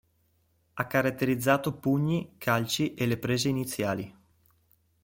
Ha caratterizzato pugni, calci e le prese iniziali.